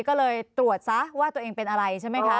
ก็เลยตรวจซ้าว่าคุณเป็นอะไรใช่ไหมคะ